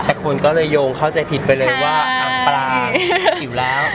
แต่คนก็เลยโยงเข้าใจผิดไปเลยว่าอำปลาหิวแล้ว